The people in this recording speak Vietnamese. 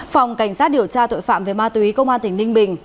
phòng cảnh sát điều tra tội phạm về ma túy công an tỉnh ninh bình